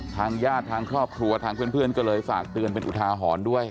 ทางญาติทางครอบครัวทางเพื่อนก็เลยฝากเตือนเป็นอุทาหรณ์ด้วย